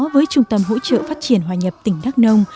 với trung tâm hỗ trợ phát triển hòa nhập tỉnh đắk nông